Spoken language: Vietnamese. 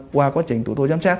qua quá trình tụi tôi giám sát